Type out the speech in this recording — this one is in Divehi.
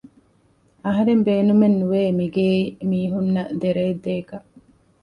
އަހަރެން ބޭނުމެއް ނުވޭ މި ގޭ މީހުންނަކަށް ދެރައެއް ދޭކަށް